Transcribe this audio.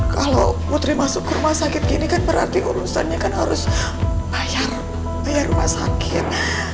kalau putri masuk ke rumah sakit gini kan berarti urusannya kan harus bayar rumah sakit